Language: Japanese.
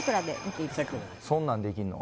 そんなんできんの？